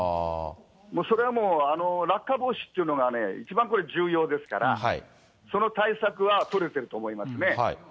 もうそれはあの落下防止というのがね、一番これ、重要ですから、その対策は取れていると思いますね。